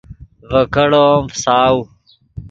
ڤے کیڑو ام فساؤ